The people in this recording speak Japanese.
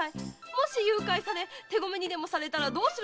もし誘拐され手込めにでもされたらどうするのですか？